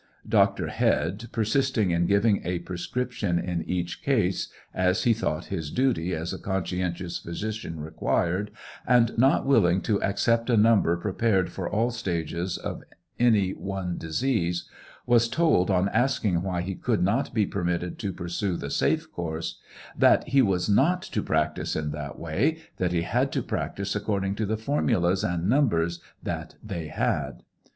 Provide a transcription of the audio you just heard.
Dr. Head persisting in giving a prescription in each case, as h thought his duty as a conscientious physician required, and not willing to accep a number prepared for all stages of any one disease, was told on asking why h could not be permitted to pursue the safe course, " that he was not to prac tice in that way, that he had to practice according to the formulas and number that they had."